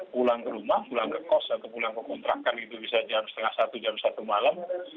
pulang ke rumah pulang ke kos atau pulang ke kontrakan itu bisa jam setengah satu jam satu malam